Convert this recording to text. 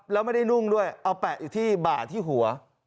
แล้วไม่ได้นุ่งด้วยเอาแปะอยู่ที่บ่าที่หัว